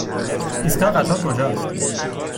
ایستگاه قطار کجاست؟